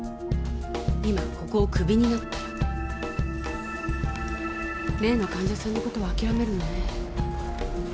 今ここをクビになったら例の患者さんのことはあきらめるのね